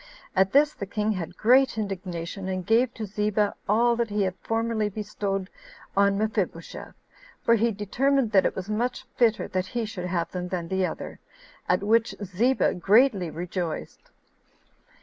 At this the king had great indignation, and gave to Ziba all that he had formerly bestowed on Mephibosheth; for he determined that it was much fitter that he should have them than the other; at which Ziba greatly rejoiced.